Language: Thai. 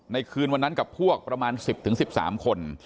ในคืนวันนั้นกับพวกประมาณสิบถึงสิบสามคน